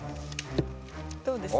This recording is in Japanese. どうですか？